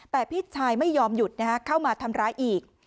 แต่พี่ชายไม่ยอมหยุดเข้ามาทำร้ายอีก